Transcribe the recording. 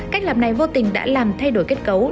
cách làm này vô tình đã làm thay đổi kết cấu